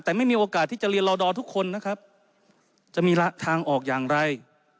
แต่ไม่มีโอกาสที่จะเรียนรอดอทุกคนนะครับจะมีทางออกอย่างไร